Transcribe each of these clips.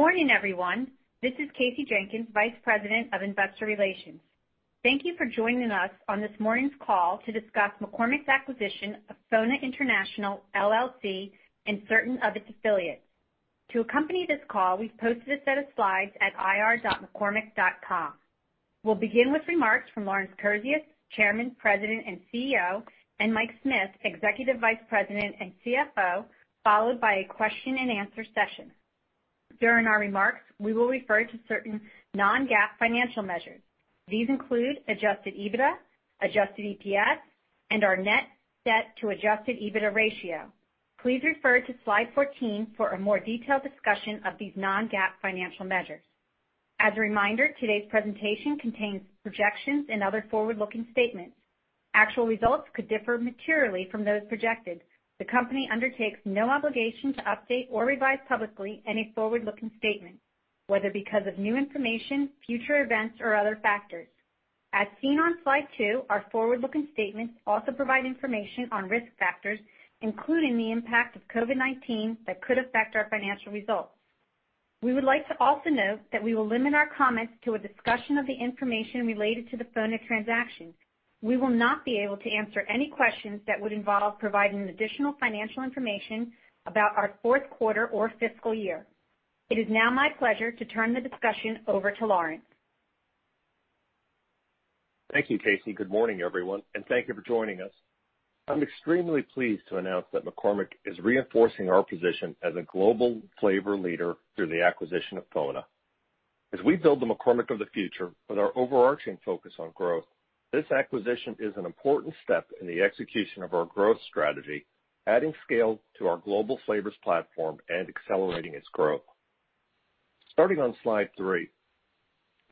Morning, everyone. This is Kasey Jenkins, Vice President of Investor Relations. Thank you for joining us on this morning's call to discuss McCormick's acquisition of FONA International, LLC and certain of its affiliates. To accompany this call, we've posted a set of slides at ir.mccormick.com. We'll begin with remarks from Lawrence Kurzius, Chairman, President, and CEO, and Mike Smith, Executive Vice President and CFO, followed by a question and answer session. During our remarks, we will refer to certain non-GAAP financial measures. These include adjusted EBITDA, adjusted EPS, and our net debt to adjusted EBITDA ratio. Please refer to slide 14 for a more detailed discussion of these non-GAAP financial measures. As a reminder, today's presentation contains projections and other forward-looking statements. Actual results could differ materially from those projected. The company undertakes no obligation to update or revise publicly any forward-looking statements, whether because of new information, future events, or other factors. As seen on slide two, our forward-looking statements also provide information on risk factors, including the impact of COVID-19, that could affect our financial results. We would like to also note that we will limit our comments to a discussion of the information related to the FONA transaction. We will not be able to answer any questions that would involve providing additional financial information about our fourth quarter or fiscal year. It is now my pleasure to turn the discussion over to Lawrence. Thank you, Kasey. Good morning, everyone, and thank you for joining us. I'm extremely pleased to announce that McCormick is reinforcing our position as a global flavor leader through the acquisition of FONA. As we build the McCormick of the future with our overarching focus on growth, this acquisition is an important step in the execution of our growth strategy, adding scale to our global flavors platform and accelerating its growth. Starting on slide three,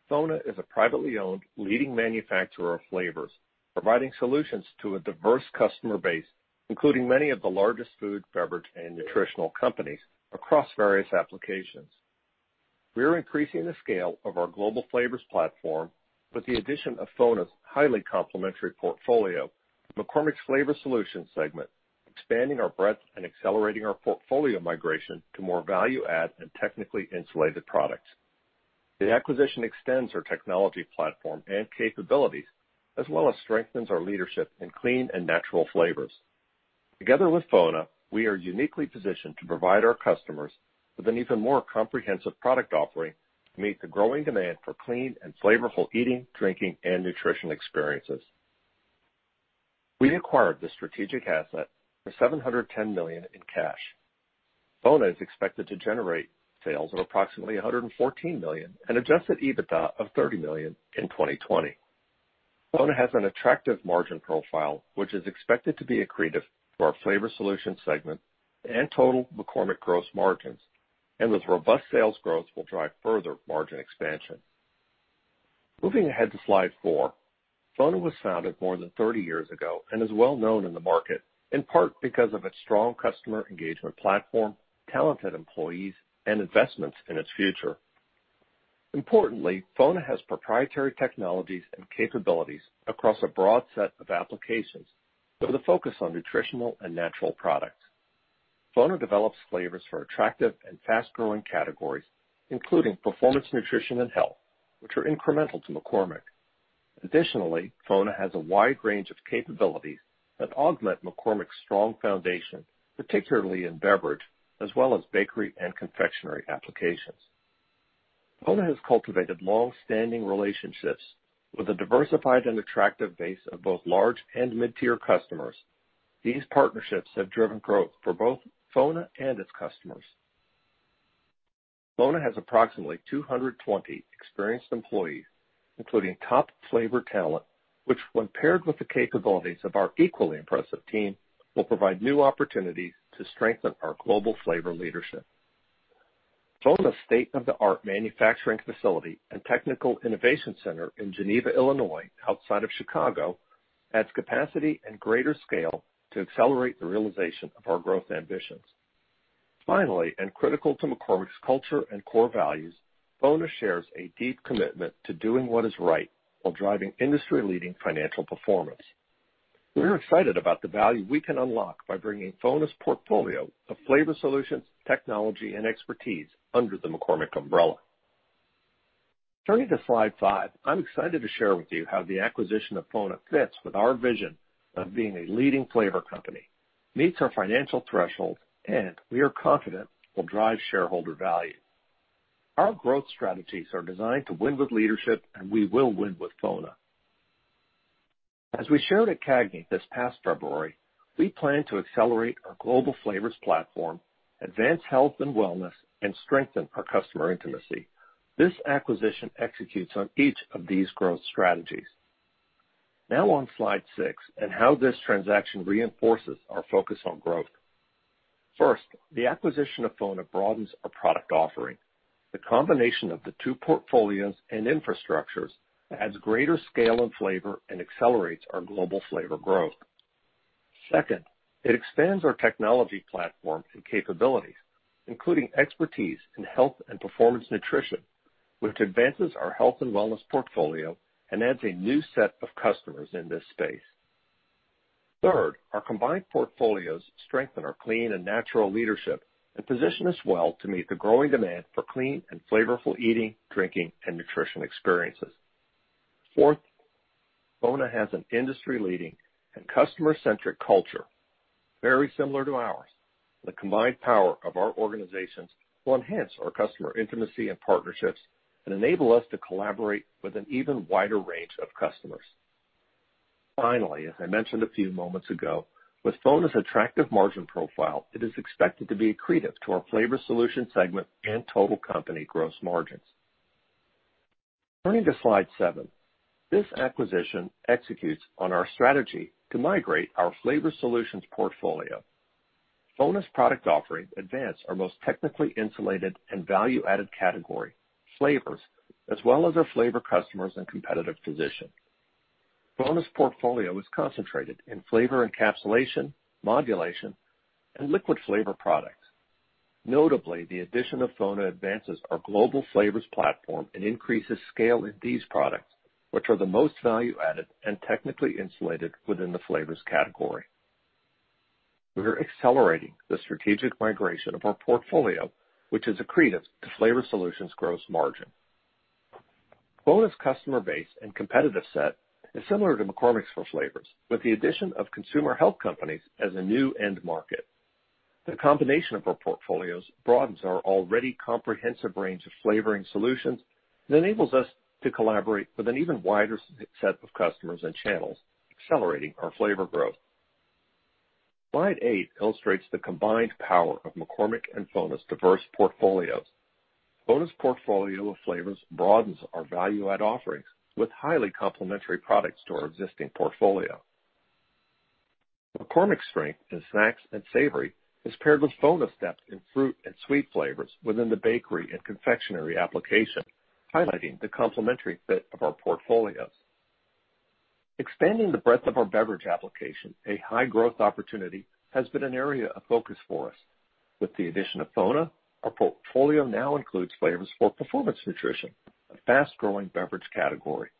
FONA is a privately owned leading manufacturer of flavors, providing solutions to a diverse customer base, including many of the largest food, beverage, and nutritional companies across various applications. We are increasing the scale of our global flavors platform with the addition of FONA's highly complementary portfolio to McCormick's Flavor Solutions segment, expanding our breadth and accelerating our portfolio migration to more value add and technically insulated products. The acquisition extends our technology platform and capabilities, as well as strengthens our leadership in clean and natural flavors. Together with FONA, we are uniquely positioned to provide our customers with an even more comprehensive product offering to meet the growing demand for clean and flavorful eating, drinking, and nutrition experiences. We acquired this strategic asset for $710 million in cash. FONA is expected to generate sales of approximately $114 million and adjusted EBITDA of $30 million in 2020. FONA has an attractive margin profile, which is expected to be accretive to our Flavor Solutions segment and total McCormick gross margins, and with robust sales growth, will drive further margin expansion. Moving ahead to slide four. FONA was founded more than 30 years ago and is well-known in the market, in part because of its strong customer engagement platform, talented employees, and investments in its future. Importantly, FONA has proprietary technologies and capabilities across a broad set of applications with a focus on nutritional and natural products. FONA develops flavors for attractive and fast-growing categories, including performance, nutrition, and health, which are incremental to McCormick. Additionally, FONA has a wide range of capabilities that augment McCormick's strong foundation, particularly in beverage, as well as bakery and confectionery applications. FONA has cultivated long-standing relationships with a diversified and attractive base of both large and mid-tier customers. These partnerships have driven growth for both FONA and its customers. FONA has approximately 220 experienced employees, including top flavor talent, which, when paired with the capabilities of our equally impressive team, will provide new opportunities to strengthen our global flavor leadership. FONA's state-of-the-art manufacturing facility and technical innovation center in Geneva, Illinois, outside of Chicago, adds capacity and greater scale to accelerate the realization of our growth ambitions. Finally, and critical to McCormick's culture and core values, FONA shares a deep commitment to doing what is right while driving industry-leading financial performance. We're excited about the value we can unlock by bringing FONA's portfolio of Flavor Solutions, technology, and expertise under the McCormick umbrella. Turning to slide five, I'm excited to share with you how the acquisition of FONA fits with our vision of being a leading flavor company, meets our financial threshold, and we are confident will drive shareholder value. Our growth strategies are designed to win with leadership, and we will win with FONA. As we shared at CAGNY this past February, we plan to accelerate our global flavors platform, advance health and wellness, and strengthen our customer intimacy. This acquisition executes on each of these growth strategies. On slide six and how this transaction reinforces our focus on growth. First, the acquisition of FONA broadens our product offering. The combination of the two portfolios and infrastructures adds greater scale and flavor and accelerates our global flavor growth. Second, it expands our technology platform and capabilities, including expertise in health and performance nutrition, which advances our health and wellness portfolio and adds a new set of customers in this space. Third, our combined portfolios strengthen our clean and natural leadership and position us well to meet the growing demand for clean and flavorful eating, drinking, and nutrition experiences. Fourth, FONA has an industry-leading and customer-centric culture, very similar to ours. The combined power of our organizations will enhance our customer intimacy and partnerships and enable us to collaborate with an even wider range of customers. Finally, as I mentioned a few moments ago, with FONA's attractive margin profile, it is expected to be accretive to our Flavor Solutions segment and total company gross margins. Turning to slide seven. This acquisition executes on our strategy to migrate our Flavor Solutions portfolio. FONA's product offering advance our most technically insulated and value-added category, flavors, as well as our flavor customers and competitive position. FONA's portfolio is concentrated in flavor encapsulation, modulation, and liquid flavor products. Notably, the addition of FONA advances our global flavors platform and increases scale in these products, which are the most value-added and technically insulated within the flavors category. We are accelerating the strategic migration of our portfolio, which is accretive to Flavor Solutions gross margin. FONA's customer base and competitive set is similar to McCormick's for flavors, with the addition of consumer health companies as a new end market. The combination of our portfolios broadens our already comprehensive range of flavoring solutions and enables us to collaborate with an even wider set of customers and channels, accelerating our flavor growth. Slide eight illustrates the combined power of McCormick and FONA's diverse portfolios. FONA's portfolio of flavors broadens our value-add offerings with highly complementary products to our existing portfolio. McCormick's strength in snacks and savory is paired with FONA's depth in fruit and sweet flavors within the bakery and confectionery application, highlighting the complementary fit of our portfolios. Expanding the breadth of our beverage application, a high growth opportunity, has been an area of focus for us. With the addition of FONA, our portfolio now includes flavors for performance nutrition, a fast-growing beverage category.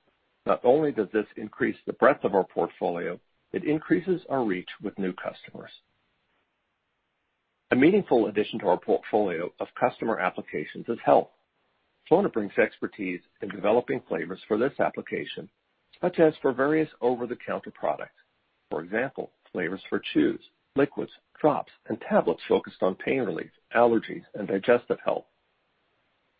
Not only does this increase the breadth of our portfolio, it increases our reach with new customers. A meaningful addition to our portfolio of customer applications is health. FONA brings expertise in developing flavors for this application, such as for various over-the-counter products. For example, flavors for chews, liquids, drops, and tablets focused on pain relief, allergies, and digestive health.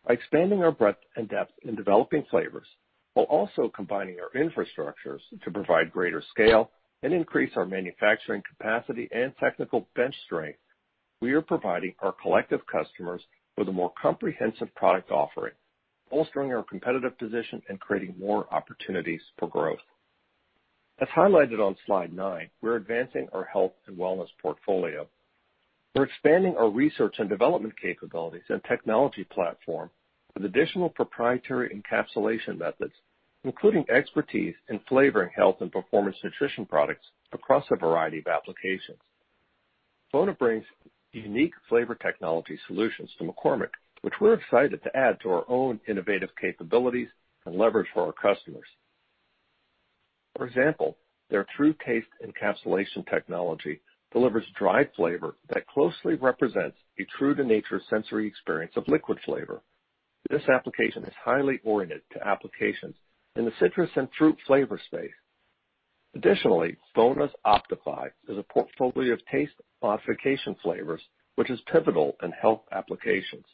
By expanding our breadth and depth in developing flavors, while also combining our infrastructures to provide greater scale and increase our manufacturing capacity and technical bench strength, we are providing our collective customers with a more comprehensive product offering, bolstering our competitive position and creating more opportunities for growth. As highlighted on slide nine, we're advancing our health and wellness portfolio. We're expanding our research and development capabilities and technology platform with additional proprietary encapsulation methods, including expertise in flavoring health and performance nutrition products across a variety of applications. FONA brings unique flavor technology solutions to McCormick, which we're excited to add to our own innovative capabilities and leverage for our customers. For example, their TrueTaste encapsulation technology delivers dry flavor that closely represents a true-to-nature sensory experience of liquid flavor. This application is highly oriented to applications in the citrus and fruit flavor space. Additionally, FONA's Optify is a portfolio of taste modification flavors, which is pivotal in health applications.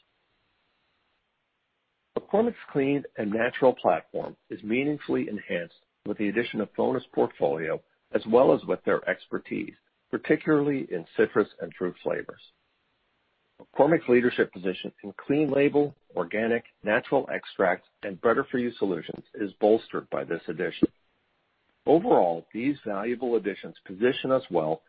McCormick's clean and natural platform is meaningfully enhanced with the addition of FONA's portfolio as well as with their expertise, particularly in citrus and fruit flavors. McCormick's leadership position in clean label, organic, natural extracts, and better-for-you solutions is bolstered by this addition. Overall, these valuable additions position us well to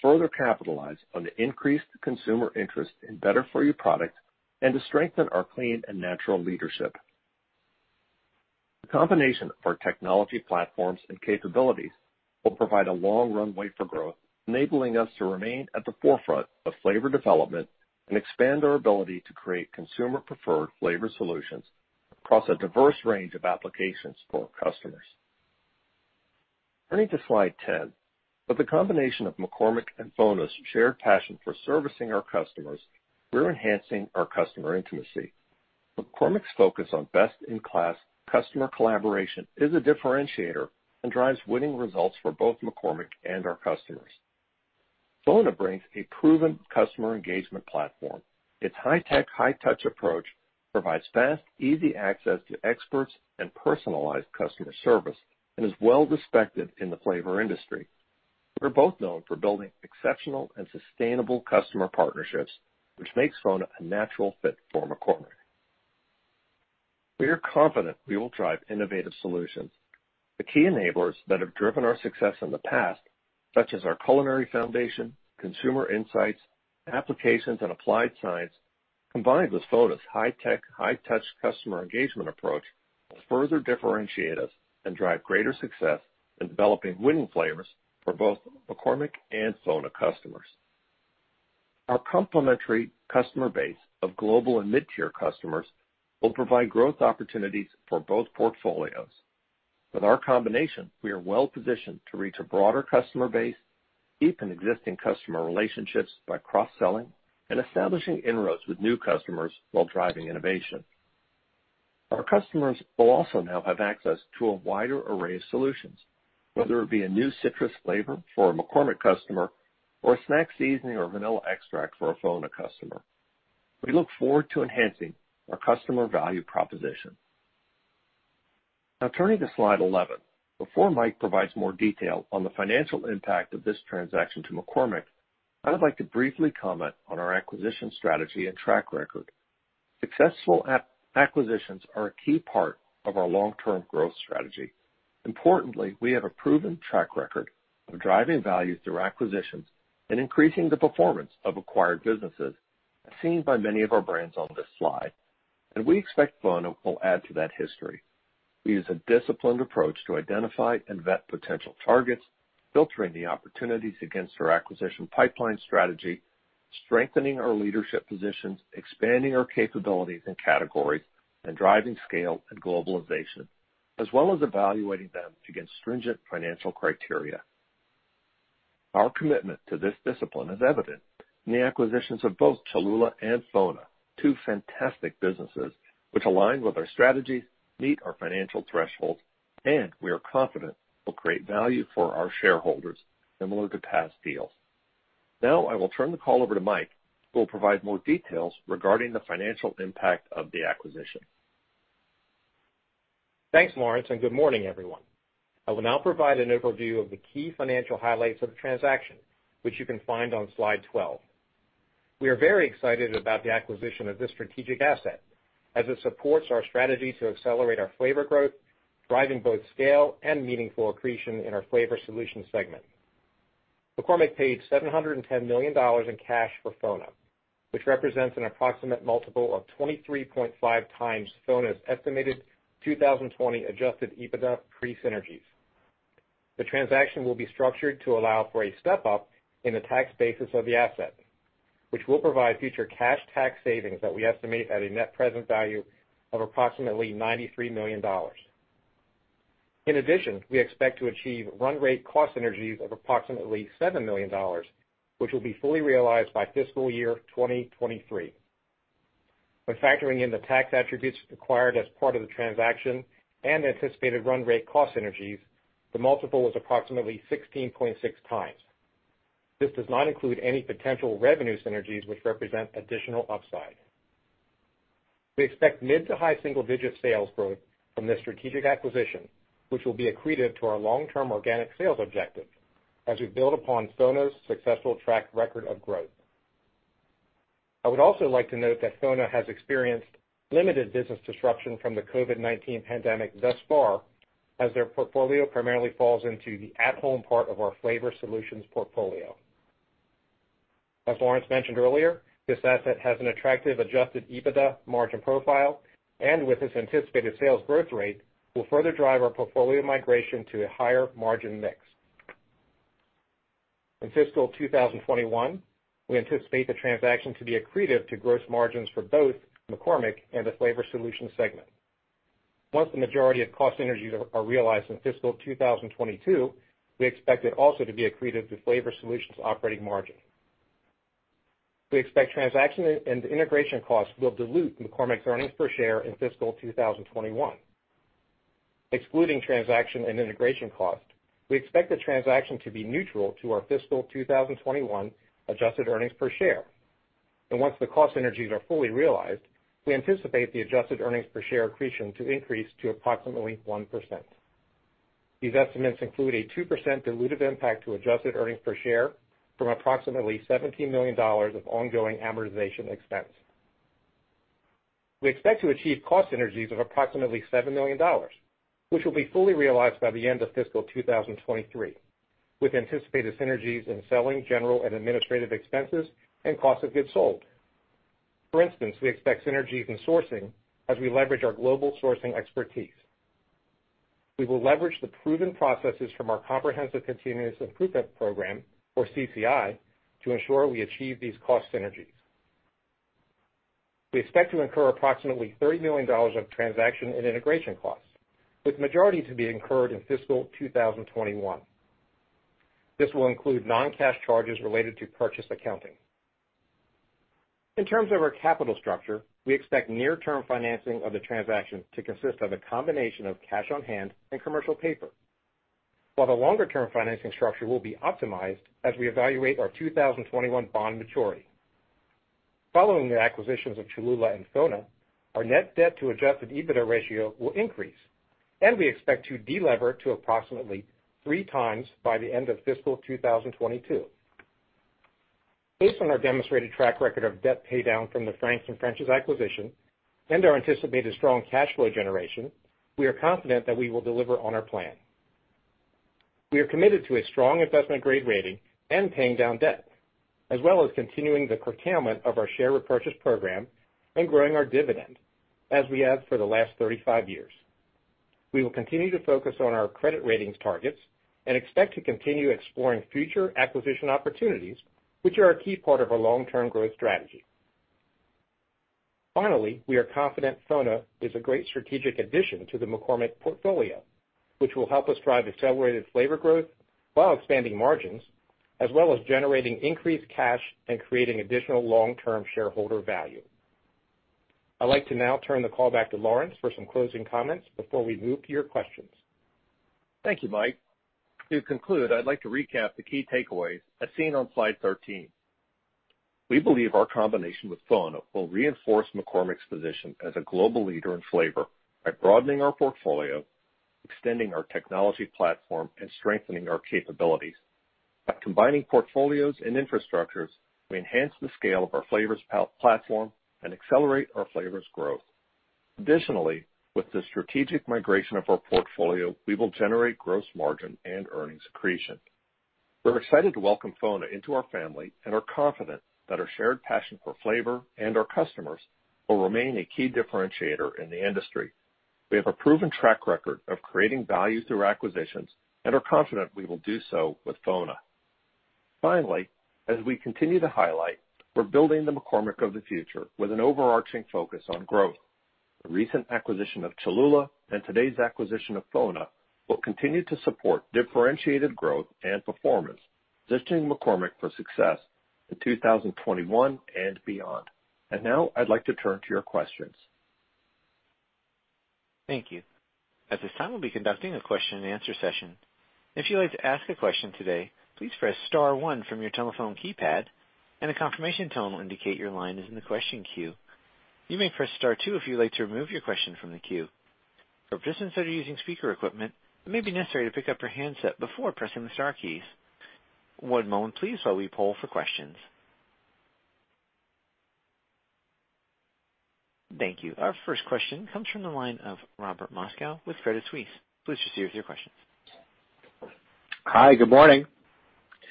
further capitalize on the increased consumer interest in better-for-you products and to strengthen our clean and natural leadership. The combination of our technology platforms and capabilities will provide a long runway for growth, enabling us to remain at the forefront of flavor development and expand our ability to create consumer-preferred Flavor Solutions across a diverse range of applications for our customers. Turning to slide 10. With the combination of McCormick and FONA's shared passion for servicing our customers, we're enhancing our customer intimacy. McCormick's focus on best-in-class customer collaboration is a differentiator and drives winning results for both McCormick and our customers. FONA brings a proven customer engagement platform. Its high tech, high touch approach provides fast, easy access to experts and personalized customer service and is well respected in the flavor industry. We're both known for building exceptional and sustainable customer partnerships, which makes FONA a natural fit for McCormick. We are confident we will drive innovative solutions. The key enablers that have driven our success in the past, such as our culinary foundation, consumer insights, applications, and applied science, combined with FONA's high tech, high touch customer engagement approach, will further differentiate us and drive greater success in developing winning flavors for both McCormick and FONA customers. Our complementary customer base of global and mid-tier customers will provide growth opportunities for both portfolios. With our combination, we are well positioned to reach a broader customer base, deepen existing customer relationships by cross-selling, and establishing inroads with new customers while driving innovation. Our customers will also now have access to a wider array of solutions, whether it be a new citrus flavor for a McCormick customer or a snack seasoning or vanilla extract for a FONA customer. We look forward to enhancing our customer value proposition. Now turning to slide 11, before Mike provides more detail on the financial impact of this transaction to McCormick, I would like to briefly comment on our acquisition strategy and track record. Successful acquisitions are a key part of our long-term growth strategy. Importantly, we have a proven track record of driving value through acquisitions and increasing the performance of acquired businesses, as seen by many of our brands on this slide, and we expect FONA will add to that history. We use a disciplined approach to identify and vet potential targets, filtering the opportunities against our acquisition pipeline strategy, strengthening our leadership positions, expanding our capabilities and categories, and driving scale and globalization, as well as evaluating them against stringent financial criteria. Our commitment to this discipline is evident in the acquisitions of both Cholula and FONA, two fantastic businesses which align with our strategies, meet our financial thresholds, and we are confident will create value for our shareholders similar to past deals. Now I will turn the call over to Mike, who will provide more details regarding the financial impact of the acquisition. Thanks, Lawrence. Good morning, everyone. I will now provide an overview of the key financial highlights of the transaction, which you can find on slide 12. We are very excited about the acquisition of this strategic asset, as it supports our strategy to accelerate our flavor growth, driving both scale and meaningful accretion in our Flavor Solutions segment. McCormick paid $710 million in cash for FONA, which represents an approximate multiple of 23.5x FONA's estimated 2020 adjusted EBITDA pre-synergies. The transaction will be structured to allow for a step-up in the tax basis of the asset, which will provide future cash tax savings that we estimate at a net present value of approximately $93 million. In addition, we expect to achieve run rate cost synergies of approximately $7 million, which will be fully realized by fiscal year 2023. When factoring in the tax attributes acquired as part of the transaction and anticipated run rate cost synergies, the multiple is approximately 16.6 times. This does not include any potential revenue synergies which represent additional upside. We expect mid to high single-digit sales growth from this strategic acquisition, which will be accretive to our long-term organic sales objective as we build upon FONA's successful track record of growth. I would also like to note that FONA has experienced limited business disruption from the COVID-19 pandemic thus far, as their portfolio primarily falls into the at-home part of our Flavor Solutions portfolio. As Lawrence mentioned earlier, this asset has an attractive adjusted EBITDA margin profile, and with this anticipated sales growth rate, will further drive our portfolio migration to a higher margin mix. In fiscal 2021, we anticipate the transaction to be accretive to gross margins for both McCormick and the Flavor Solutions segment. Once the majority of cost synergies are realized in fiscal 2022, we expect it also to be accretive to Flavor Solutions operating margin. We expect transaction and integration costs will dilute McCormick's earnings per share in fiscal 2021. Excluding transaction and integration cost, we expect the transaction to be neutral to our fiscal 2021 adjusted earnings per share. Once the cost synergies are fully realized, we anticipate the adjusted earnings per share accretion to increase to approximately 1%. These estimates include a 2% dilutive impact to adjusted earnings per share from approximately $17 million of ongoing amortization expense. We expect to achieve cost synergies of approximately $7 million, which will be fully realized by the end of fiscal 2023, with anticipated synergies in selling, general and administrative expenses and cost of goods sold. For instance, we expect synergies in sourcing as we leverage our global sourcing expertise. We will leverage the proven processes from our Comprehensive Continuous Improvement Program, or CCI, to ensure we achieve these cost synergies. We expect to incur approximately $30 million of transaction and integration costs, with majority to be incurred in fiscal 2021. This will include non-cash charges related to purchase accounting. In terms of our capital structure, we expect near-term financing of the transaction to consist of a combination of cash on hand and commercial paper, while the longer-term financing structure will be optimized as we evaluate our 2021 bond maturity. Following the acquisitions of Cholula and FONA, our net debt to adjusted EBITDA ratio will increase, and we expect to de-lever to approximately 3x by the end of fiscal 2022. Based on our demonstrated track record of debt paydown from the Frank's and French's acquisition and our anticipated strong cash flow generation, we are confident that we will deliver on our plan. We are committed to a strong investment-grade rating and paying down debt, as well as continuing the curtailment of our share repurchase program and growing our dividend as we have for the last 35 years. We will continue to focus on our credit ratings targets and expect to continue exploring future acquisition opportunities, which are a key part of our long-term growth strategy. Finally, we are confident FONA is a great strategic addition to the McCormick portfolio, which will help us drive accelerated flavor growth while expanding margins, as well as generating increased cash and creating additional long-term shareholder value. I'd like to now turn the call back to Lawrence for some closing comments before we move to your questions. Thank you, Mike. To conclude, I'd like to recap the key takeaways as seen on slide 13. We believe our combination with FONA will reinforce McCormick's position as a global leader in flavor by broadening our portfolio, extending our technology platform, and strengthening our capabilities. By combining portfolios and infrastructures, we enhance the scale of our flavors platform and accelerate our flavors growth. Additionally, with the strategic migration of our portfolio, we will generate gross margin and earnings accretion. We're excited to welcome FONA into our family and are confident that our shared passion for flavor and our customers will remain a key differentiator in the industry. We have a proven track record of creating value through acquisitions and are confident we will do so with FONA. Finally, as we continue to highlight, we're building the McCormick of the future with an overarching focus on growth. The recent acquisition of Cholula and today's acquisition of FONA will continue to support differentiated growth and performance, positioning McCormick for success in 2021 and beyond. Now I'd like to turn to your questions. Thank you. At this time, we'll be conducting a question and answer session. If you would like to ask a question today, please press star one from your telepone keypad, and a confirmation tone will indicate your line is in the question queue. You may press star two if you like to remove your question from the queue. Participants that are using speaker equipment, it may be necessary to pick up your handset before pressing the star keys. One moment please while we poll for questions. Thank you. Our first question comes from the line of Robert Moskow with Credit Suisse. Please proceed with your questions. Hi, good morning.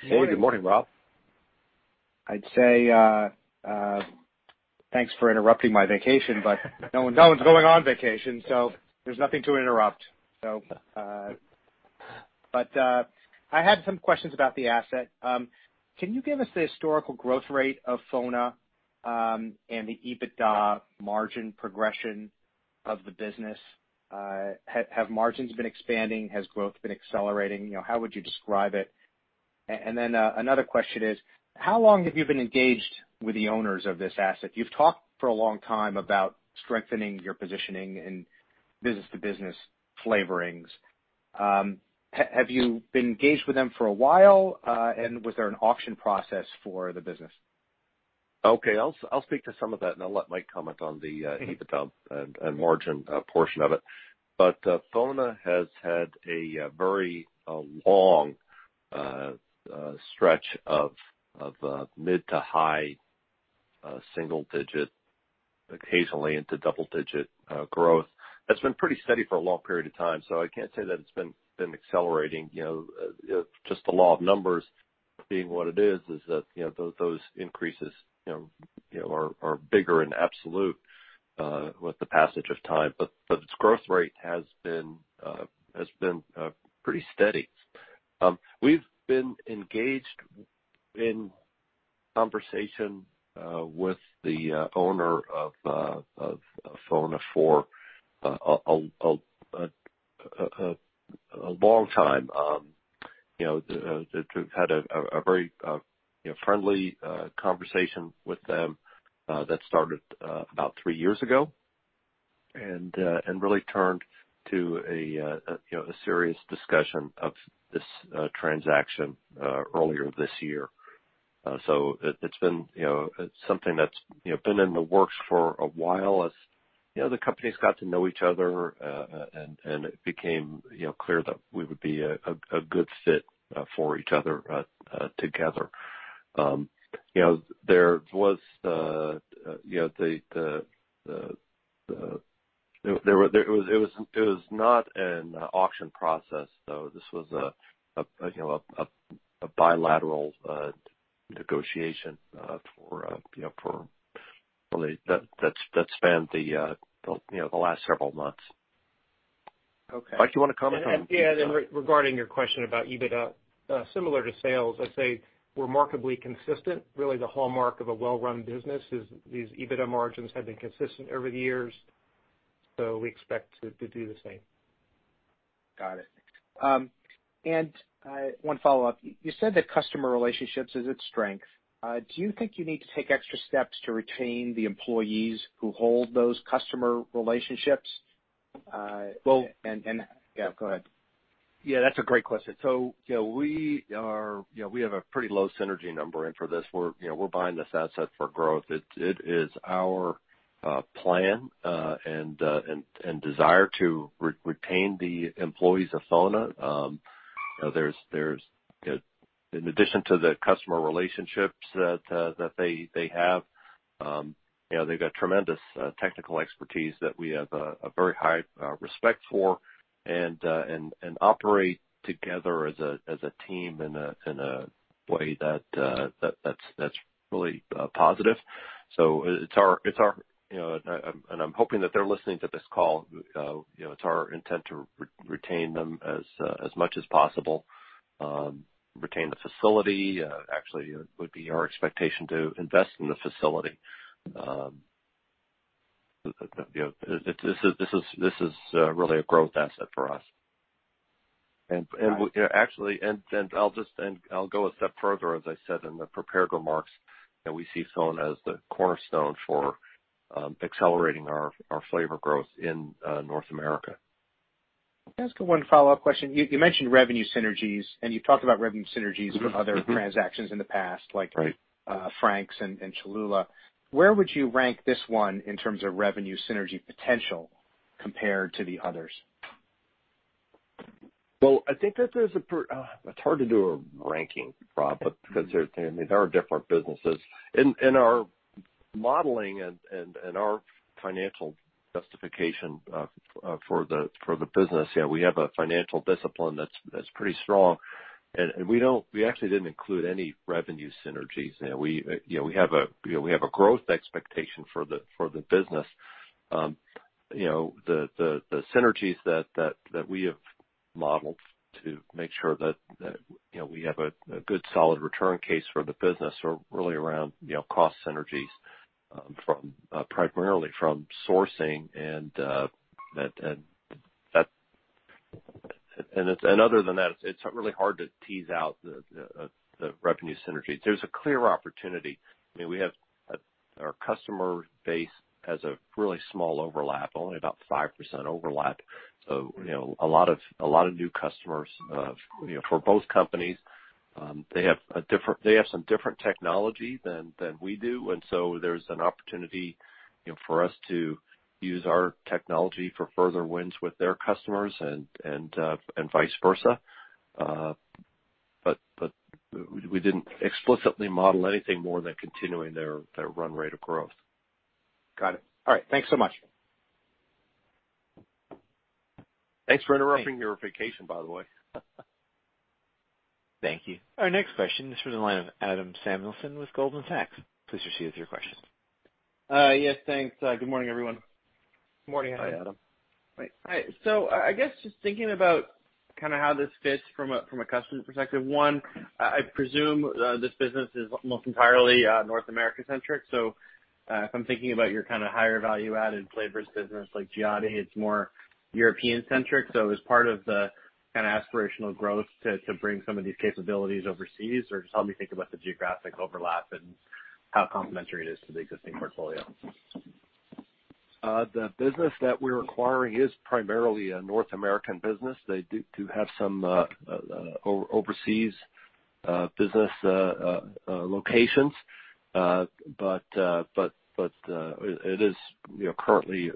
Hey, good morning, Rob. I'd say thanks for interrupting my vacation, but no one's going on vacation, so there's nothing to interrupt. I had some questions about the asset. Can you give us the historical growth rate of FONA, and the EBITDA margin progression of the business? Have margins been expanding? Has growth been accelerating? How would you describe it? Another question is, how long have you been engaged with the owners of this asset? You've talked for a long time about strengthening your positioning in business-to-business flavorings. Have you been engaged with them for a while, and was there an auction process for the business? Okay. I'll speak to some of that, and I'll let Mike comment on the adjusted EBITDA and margin portion of it. FONA has had a very long stretch of mid to high single digit, occasionally into double digit, growth. It's been pretty steady for a long period of time, I can't say that it's been accelerating. Just the law of numbers being what it is that those increases are bigger in absolute with the passage of time. Its growth rate has been pretty steady. We've been engaged in conversation with the owner of FONA for a long time. We've had a very friendly conversation with them that started about three years ago and really turned to a serious discussion of this transaction earlier this year. It's something that's been in the works for a while as the companies got to know each other, and it became clear that we would be a good fit for each other together. It was not an auction process, though. This was a bilateral negotiation that spanned the last several months. Okay. Mike, you wanna comment on that? Yeah, regarding your question about EBITDA, similar to sales, I'd say remarkably consistent. Really the hallmark of a well-run business is these EBITDA margins have been consistent over the years, so we expect to do the same. Got it. One follow-up. You said that customer relationships is its strength. Do you think you need to take extra steps to retain the employees who hold those customer relationships? Well- Yeah, go ahead. Yeah, that's a great question. We have a pretty low synergy number in for this. We're buying this asset for growth. It is our plan and desire to retain the employees of FONA. In addition to the customer relationships that they have, they've got tremendous technical expertise that we have a very high respect for and operate together as a team in a way that's really positive. I'm hoping that they're listening to this call. It's our intent to retain them as much as possible. Retain the facility. Actually, it would be our expectation to invest in the facility. This is really a growth asset for us. Actually, I'll go a step further, as I said in the prepared remarks, that we see FONA as the cornerstone for accelerating our flavor growth in North America. Can I ask one follow-up question? You mentioned revenue synergies, and you've talked about revenue synergies from other transactions in the past. Right Like Frank's and Cholula. Where would you rank this one in terms of revenue synergy potential compared to the others? Well, it's hard to do a ranking, Rob, because they are different businesses. In our modeling and our financial justification for the business, we have a financial discipline that's pretty strong, and we actually didn't include any revenue synergies there. We have a growth expectation for the business. The synergies that we have modeled to make sure that we have a good, solid return case for the business are really around cost synergies primarily from sourcing. Other than that, it's really hard to tease out the revenue synergy. There's a clear opportunity. Our customer base has a really small overlap, only about 5% overlap. A lot of new customers for both companies. They have some different technology than we do, there's an opportunity for us to use our technology for further wins with their customers and vice versa. We didn't explicitly model anything more than continuing their run rate of growth. Got it. All right. Thanks so much. Thanks for interrupting your vacation, by the way. Thank you. Our next question is from the line of Adam Samuelson with Goldman Sachs. Please proceed with your question. Yes, thanks. Good morning, everyone. Morning, Adam. Hi, Adam. Hi. I guess just thinking about how this fits from a customer perspective. One, I presume this business is almost entirely North America-centric. If I'm thinking about your higher value-added flavors business like Giotti, it's more European-centric. Is part of the aspirational growth to bring some of these capabilities overseas, or just help me think about the geographic overlap and how complementary it is to the existing portfolio. The business that we're acquiring is primarily a North American business. They do have some overseas business locations. It is currently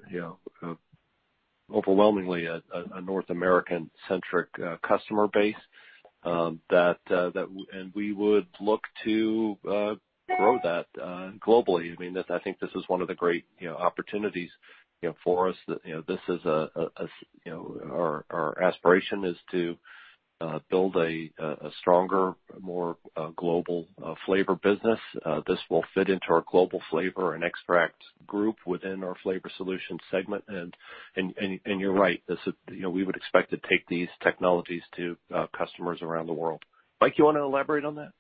overwhelmingly a North American-centric customer base. We would look to grow that globally. I think this is one of the great opportunities for us. Our aspiration is to build a stronger, more global flavor business. This will fit into our global flavor and extract group within our Flavor Solutions segment. You're right, we would expect to take these technologies to customers around the world. Mike, you want to elaborate on that?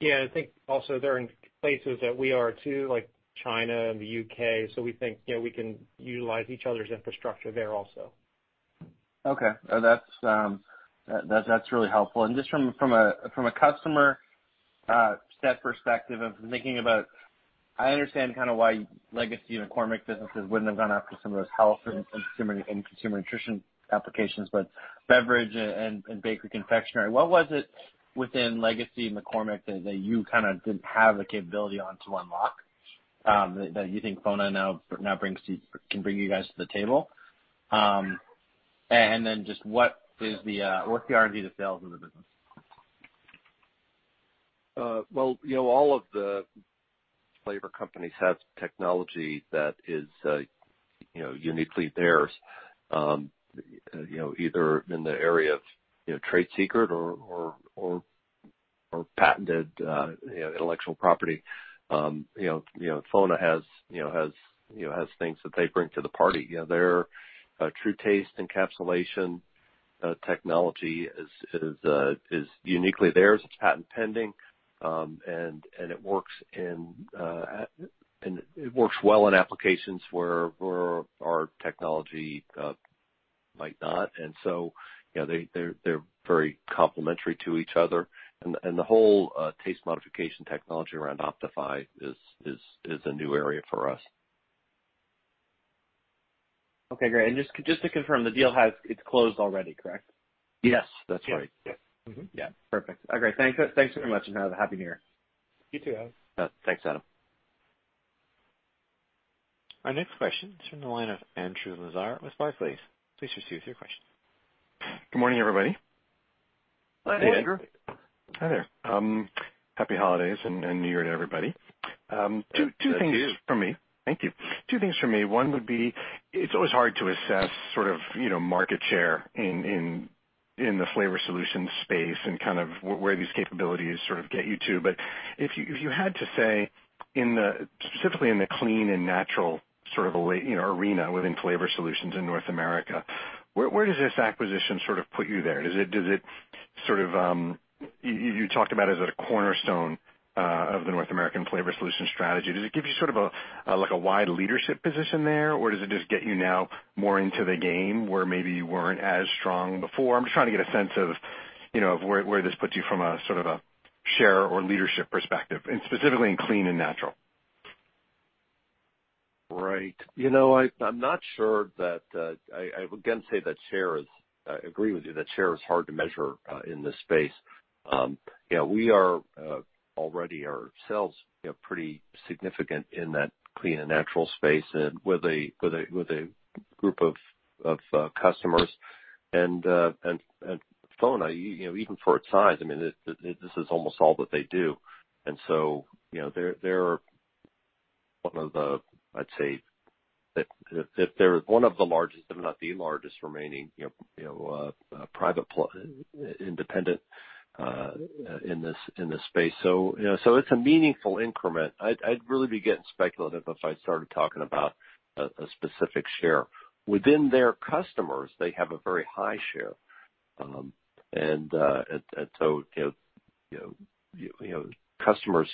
Yeah, I think also they're in places that we are too, like China and the U.K. We think we can utilize each other's infrastructure there also. Okay. That's really helpful. Just from a customer set perspective of thinking about, I understand why legacy McCormick businesses wouldn't have gone after some of those health and consumer nutrition applications, but beverage and bakery confectionary, what was it within legacy McCormick that you didn't have the capability on to unlock, that you think FONA now can bring you guys to the table? Just what's the R&D that sells in the business? All of the flavor companies have technology that is uniquely theirs, either in the area of trade secret or patented intellectual property. FONA has things that they bring to the party. Their TrueTaste encapsulation technology is uniquely theirs. It's patent pending, and it works well in applications where our technology might not. They're very complementary to each other, and the whole taste modification technology around Optify is a new area for us. Okay, great. Just to confirm, the deal, it's closed already, correct? Yes, that's right. Yes. Mm-hmm. Yeah. Perfect. All right. Thanks very much, and have a Happy New Year. You too, Adam. Thanks, Adam. Our next question is from the line of Andrew Lazar with Barclays. Please proceed with your question. Good morning, everybody. Hi, Andrew. Hi there. Happy holidays and New Year to everybody. Thank you. Two things from me. One would be, it's always hard to assess market share in the Flavor Solutions space and kind of where these capabilities sort of get you to. If you had to say, specifically in the clean and natural sort of arena within Flavor Solutions in North America, where does this acquisition sort of put you there? You talked about it as a cornerstone of the North American Flavor Solutions strategy. Does it give you sort of a wide leadership position there, or does it just get you now more into the game where maybe you weren't as strong before? I'm just trying to get a sense of where this puts you from sort of a share or leadership perspective, and specifically in clean and natural. Right. I would again say that share is, I agree with you, that share is hard to measure in this space. We are already ourselves pretty significant in that clean and natural space, and with a group of customers. FONA, even for its size, this is almost all that they do. So they're one of the largest, if not the largest remaining, private independent in this space. So it's a meaningful increment. I'd really be getting speculative if I started talking about a specific share. Within their customers, they have a very high share. So customers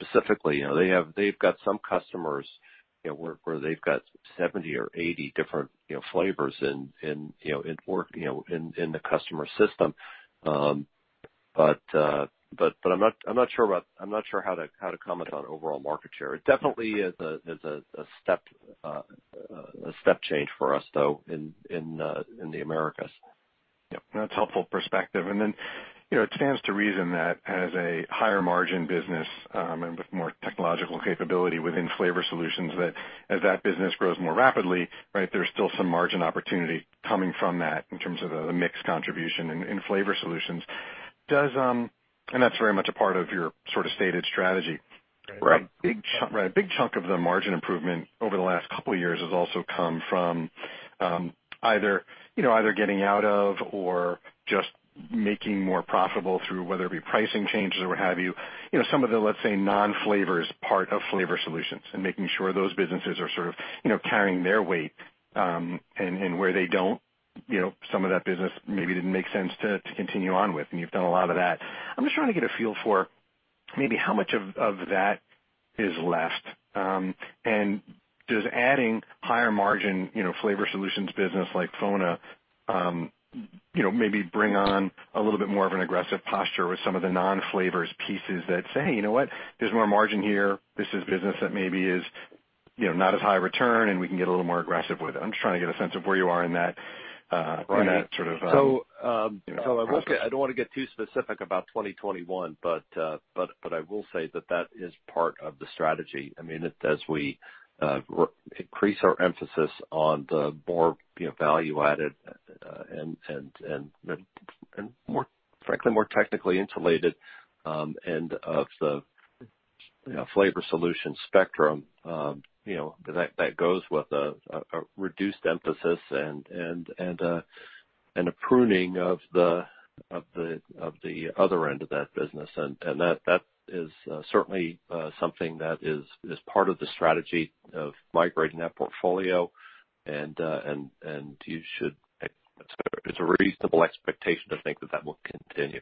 specifically, they've got some customers where they've got 70 or 80 different flavors in the customer system. I'm not sure how to comment on overall market share. It definitely is a step change for us, though, in the Americas. Yep. No, that's a helpful perspective. It stands to reason that as a higher margin business and with more technological capability within Flavor Solutions, that as that business grows more rapidly, right, there's still some margin opportunity coming from that in terms of the mix contribution in Flavor Solutions. That's very much a part of your sort of stated strategy. Right. A big chunk of the margin improvement over the last couple of years has also come from either getting out of or just making more profitable through, whether it be pricing changes or what have you, some of the, let's say, non-flavors part of Flavor Solutions and making sure those businesses are sort of carrying their weight. Where they don't, some of that business maybe didn't make sense to continue on with, and you've done a lot of that. I'm just trying to get a feel for maybe how much of that is left. Does adding higher margin Flavor Solutions business like FONA maybe bring on a little bit more of an aggressive posture with some of the non-flavors pieces that say, you know what, there's more margin here. This is business that maybe is not as high return, and we can get a little more aggressive with it. I'm just trying to get a sense of where you are in that. Right. Sort of. I don't want to get too specific about 2021, but I will say that that is part of the strategy. As we increase our emphasis on the more value added and frankly, more technically insulated end of the flavor solution spectrum. That goes with a reduced emphasis and a pruning of the other end of that business. That is certainly something that is part of the strategy of migrating that portfolio. It's a reasonable expectation to think that that will continue.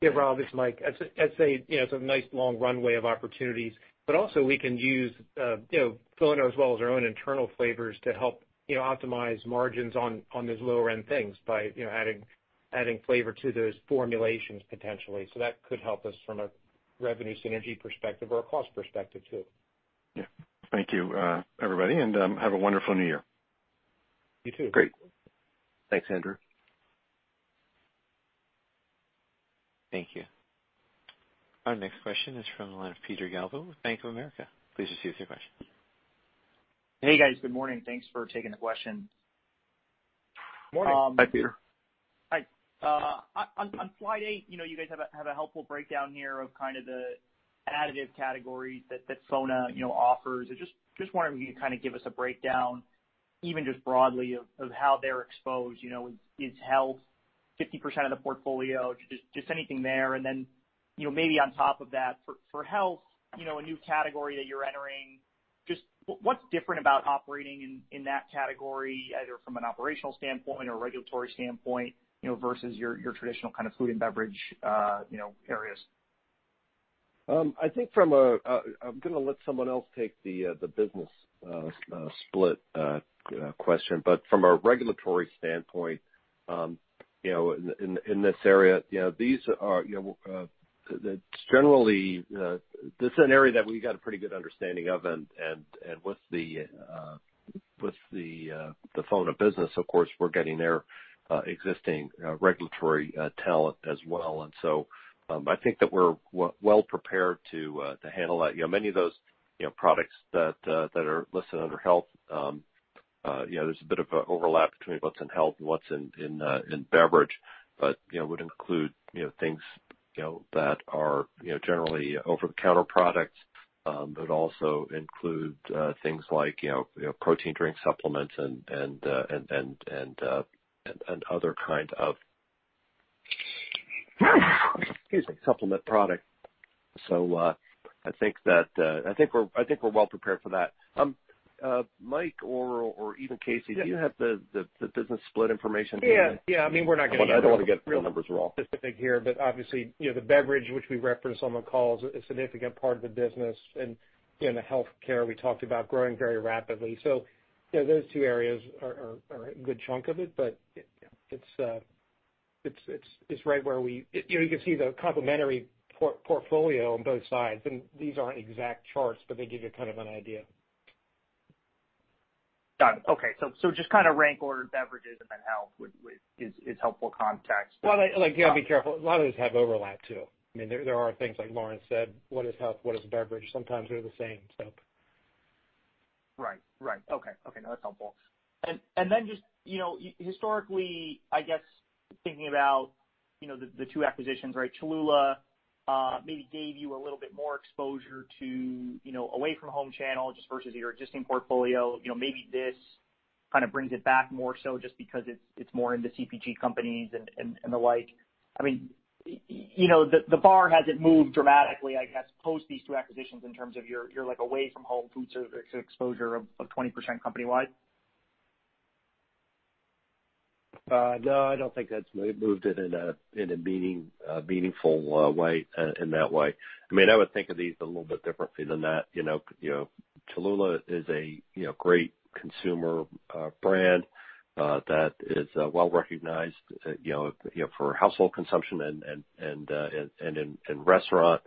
Yeah, Rob, it's Mike. I'd say it's a nice long runway of opportunities, but also we can use FONA as well as our own internal flavors to help optimize margins on those lower-end things by adding flavor to those formulations potentially. That could help us from a revenue synergy perspective or a cost perspective, too. Yeah. Thank you everybody, and have a wonderful new year. You too. Great. Thanks, Andrew. Thank you. Our next question is from the line of Peter Galbo with Bank of America. Please proceed with your question. Hey, guys. Good morning. Thanks for taking the question. Morning. Hi, Peter. Hi. On slide eight, you guys have a helpful breakdown here of kind of the additive categories that FONA offers. I just wanted you to kind of give us a breakdown, even just broadly, of how they're exposed. Is health 50% of the portfolio? Just anything there. And then, maybe on top of that, for health, a new category that you're entering, just what's different about operating in that category, either from an operational standpoint or regulatory standpoint, versus your traditional kind of food and beverage areas? I'm going to let someone else take the business split question. From a regulatory standpoint in this area, generally, this is an area that we've got a pretty good understanding of. With the FONA business, of course, we're getting their existing regulatory talent as well. I think that we're well prepared to handle that. Many of those products that are listed under health, there's a bit of an overlap between what's in health and what's in beverage, also include things that are generally over-the-counter products. Also include things like protein drink supplements and other kind of excuse me, supplement product. I think we're well prepared for that. Mike or even Kasey. Yes. Do you have the business split information? Yeah. I don't want to get real numbers wrong. Specific here, obviously, the beverage which we reference on the call is a significant part of the business. In the healthcare, we talked about growing very rapidly. Those two areas are a good chunk of it, but it's right where you can see the complementary portfolio on both sides and these aren't exact charts, but they give you kind of an idea. Got it. Okay. Just kind of rank order beverages and then health is helpful context. Well, you got to be careful. A lot of these have overlap, too. There are things, like Lawrence said, what is health? What is beverage? Sometimes they're the same. Right. Okay. No, that's helpful. Then just historically, I guess thinking about the two acquisitions, right? Cholula maybe gave you a little bit more exposure to away from home channel, just versus your existing portfolio. Maybe this kind of brings it back more so just because it's more into CPG companies and the like. The bar hasn't moved dramatically, I guess, post these two acquisitions in terms of your away from home food service exposure of 20% company-wide. No, I don't think that's moved it in a meaningful way, in that way. I would think of these a little bit differently than that. Cholula is a great consumer brand that is well-recognized for household consumption and in restaurant.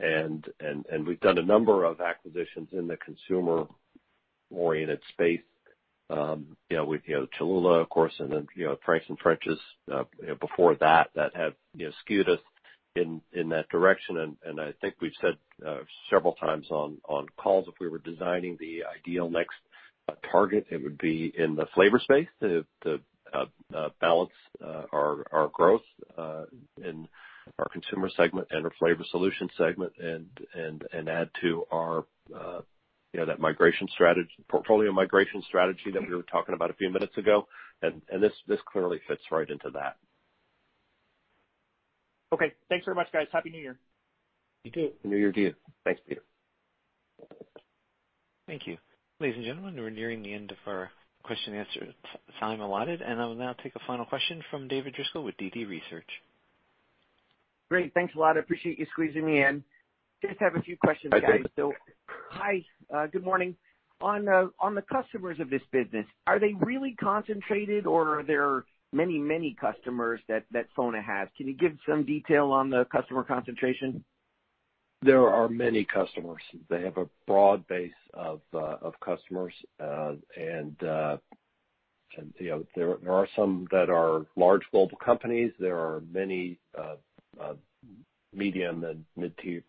We've done a number of acquisitions in the consumer-oriented space. With Cholula, of course, and then Frank's and French's before that have skewed us in that direction, and I think we've said several times on calls, if we were designing the ideal next target, it would be in the flavor space to balance our growth in our Consumer segment and our Flavor Solutions segment and add to that portfolio migration strategy that we were talking about a few minutes ago. This clearly fits right into that. Okay. Thanks very much, guys. Happy New Year. You too. Happy New Year to you. Thanks, Peter. Thank you. Ladies and gentlemen, we're nearing the end of our question and answer time allotted, and I will now take a final question from David Driscoll with DD Research. Great. Thanks a lot. I appreciate you squeezing me in. Just have a few questions, guys. Hi, David. Hi, good morning. On the customers of this business, are they really concentrated or are there many customers that FONA has? Can you give some detail on the customer concentration? There are many customers. They have a broad base of customers. There are some that are large global companies. There are many medium and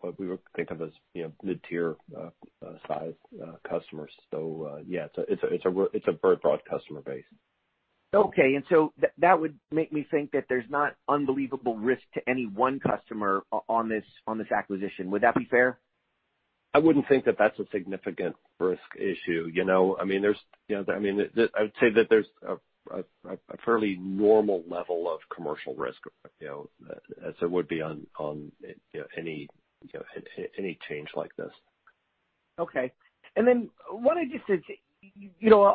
what we would think of as mid-tier sized customers. Yeah, it's a broad customer base. Okay. That would make me think that there's not unbelievable risk to any one customer on this acquisition. Would that be fair? I wouldn't think that that's a significant risk issue. I would say that there's a fairly normal level of commercial risk, as there would be on any change like this. Okay. I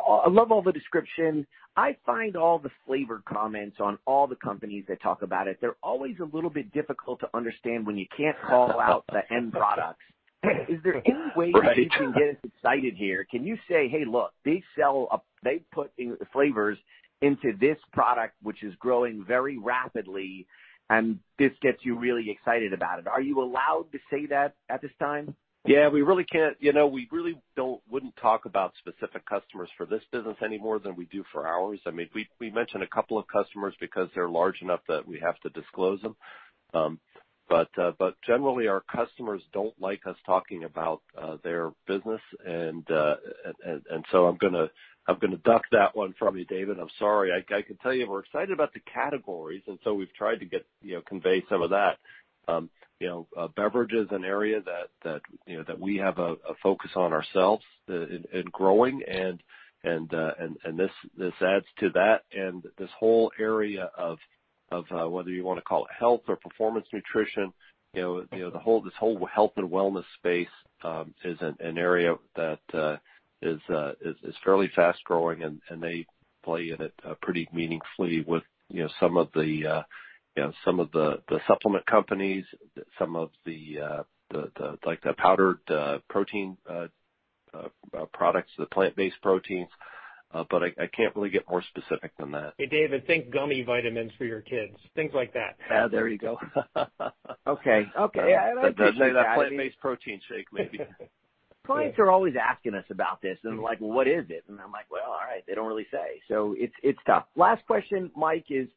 love all the description. I find all the flavor comments on all the companies that talk about it, they're always a little bit difficult to understand when you can't call out the end products. Right. Is there any way that you can get us excited here? Can you say, "Hey, look, they put flavors into this product, which is growing very rapidly," and this gets you really excited about it. Are you allowed to say that at this time? Yeah, we really wouldn't talk about specific customers for this business any more than we do for ours. We mentioned a couple of customers because they're large enough that we have to disclose them. Generally, our customers don't like us talking about their business. I'm gonna duck that one from you, David. I'm sorry. I can tell you we're excited about the categories. We've tried to convey some of that. Beverage is an area that we have a focus on ourselves in growing and this adds to that. This whole area of, whether you want to call it health or performance nutrition, this whole health and wellness space, is an area that is fairly fast-growing, and they play in it pretty meaningfully with some of the supplement companies, some of the powdered protein products, the plant-based proteins. I can't really get more specific than that. Hey, David, think gummy vitamins for your kids, things like that. There you go. Okay. I appreciate you adding- That plant-based protein shake, maybe. Clients are always asking us about this, and I'm like, "Well, what is it?" And I'm like, "Well, all right, they don't really say." It's tough. Last question, Mike, is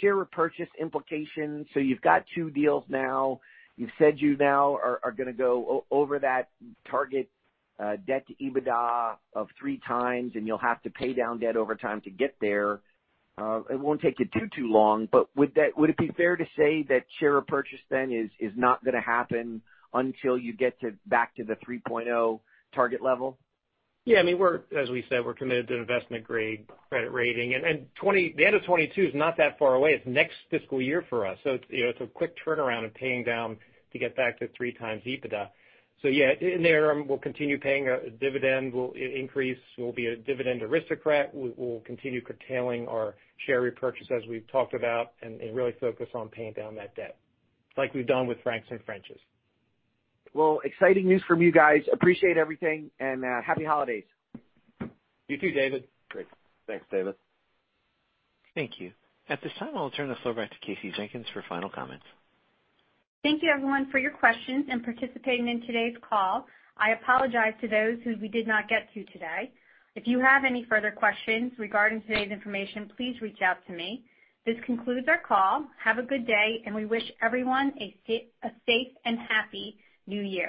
share repurchase implications. You've got two deals now. You've said you now are gonna go over that target debt to EBITDA of three times, and you'll have to pay down debt over time to get there. It won't take you too long, would it be fair to say that share repurchase, then, is not gonna happen until you get back to the 3.0 target level? As we said, we're committed to investment-grade credit rating. The end of 2022 is not that far away. It's next fiscal year for us. It's a quick turnaround of paying down to get back to three times EBITDA. In the interim, we'll continue paying our dividend. We'll increase. We'll be a Dividend Aristocrat. We'll continue curtailing our share repurchase, as we've talked about, and really focus on paying down that debt, like we've done with Frank's and French's. Exciting news from you guys. Appreciate everything, and happy holidays. You too, David. Great. Thanks, David. Thank you. At this time, I'll turn the floor back to Kasey Jenkins for final comments. Thank you everyone for your questions and participating in today's call. I apologize to those who we did not get to today. If you have any further questions regarding today's information, please reach out to me. This concludes our call. Have a good day, and we wish everyone a safe and happy New Year.